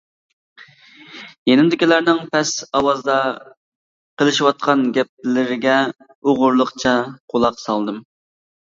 يېنىمدىكىلەرنىڭ پەس ئاۋازدا قىلىشىۋاتقان گەپلىرىگە ئوغرىلىقچە قۇلاق سالدىم.